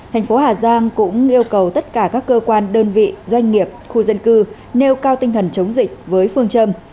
thành phố hà giang cũng yêu cầu tất cả các cơ quan đơn vị doanh nghiệp khu dân cư nêu cao tinh thần chống dịch với phương châm